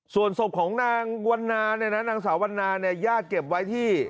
ส่วนศพของนางศาวันนานี้งานาญาติเก็บไว้ที่